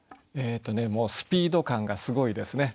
もうスピード感がすごいですね。